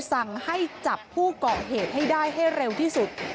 สั่งให้จับผู้เกาะเหตุให้ได้ให้เร็วที่สุด